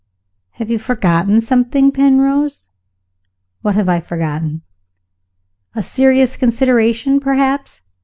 "Have you not forgotten something, Penrose?" "What have I forgotten?" "A serious consideration, perhaps.